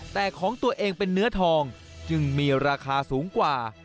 แต่ของตัวเองเป็นเนื้อทองจึงมีราคาสูงกว่า